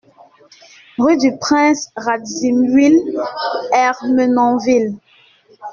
Rue du Prince Radziwill, Ermenonville